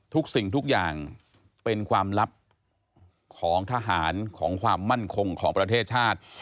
ทุกสิ่งทุกอย่างเป็นความลับของทหารของความมั่นคงของประเทศชาติ